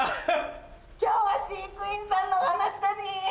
今日は飼育員さんのお話だニン！